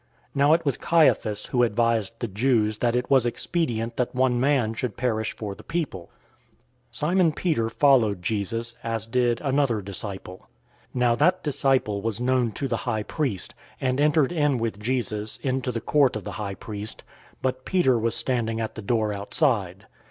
018:014 Now it was Caiaphas who advised the Jews that it was expedient that one man should perish for the people. 018:015 Simon Peter followed Jesus, as did another disciple. Now that disciple was known to the high priest, and entered in with Jesus into the court of the high priest; 018:016 but Peter was standing at the door outside.